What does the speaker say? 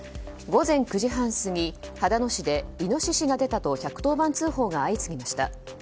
午前９時半過ぎ、秦野市でイノシシが出たと１１０番通報が相次ぎました。